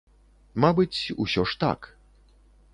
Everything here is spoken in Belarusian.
Мабыць, усё ж, так.